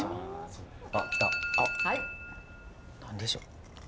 何でしょ？